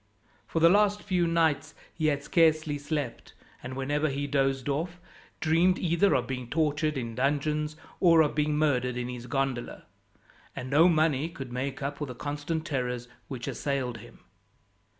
For the last few nights he had scarcely slept, and whenever he dozed off, dreamed either of being tortured in dungeons, or of being murdered in his gondola; and no money could make up for the constant terrors which assailed him.